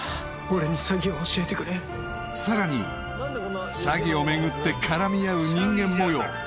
俺に詐欺を教えてくれさらに詐欺を巡って絡み合う人間模様